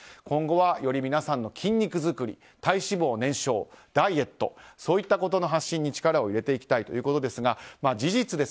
今後はより皆さんの筋肉づくり体脂肪燃焼、ダイエットそういったことの発信に力を入れていきたいということですが事実、